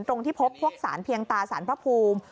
ที่พบพวกสารเพียงตาสารพระภูมิ